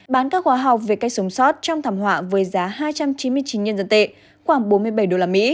bán các hóa học về cách sống sót trong thảm họa với giá hai trăm chín mươi chín nhân dân tệ khoảng bốn mươi bảy usd